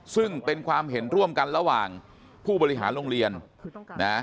ซึ่งเป็นความเห็นร่วมกันระหว่างผู้บริหารโรงเรียนนะ